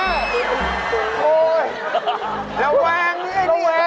โธ่ระวังนะนี่ระวังนะนี่